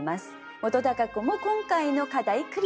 本君も今回の課題クリアになります。